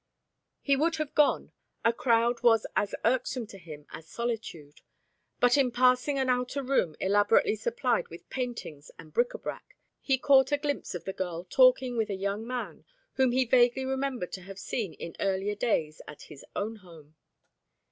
He would have gone, a crowd was as irksome to him as solitude, but in passing an outer room elaborately supplied with paintings and bric à brac, he caught a glimpse of the girl talking with a young man whom he vaguely remembered to have seen in earlier days at his own home.